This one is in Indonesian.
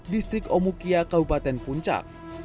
distrik omukia kabupaten puncak